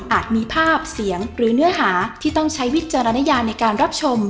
มีภาพเสียงหรือเนื้อหาที่ต้องใช้วิจารณญาในการรับชม